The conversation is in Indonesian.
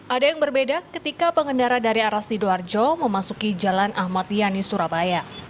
ada yang berbeda ketika pengendara dari arah sidoarjo memasuki jalan ahmad yani surabaya